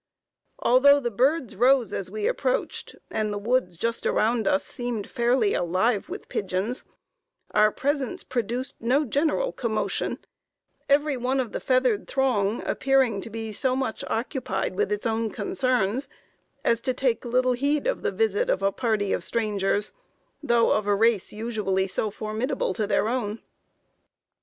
Although the birds rose as we approached, and the woods just around us seemed fairly alive with pigeons, our presence produced no general commotion; every one of the feathered throng appearing to be so much occupied with its own concerns, as to take little heed of the visit of a party of strangers, though of a race usually so formidable to their own.